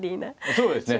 そうですね。